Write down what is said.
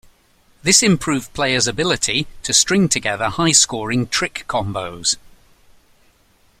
This improved players' ability to string together high-scoring trick combos.